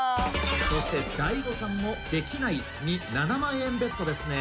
そしてＤＡＩＧＯさんも「できない」に７万円ベットですね。